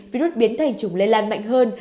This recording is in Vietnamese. virus biến thành chủng lây lan mạnh hơn